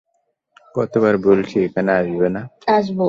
কতবার বলেছি এখানে আসবে না?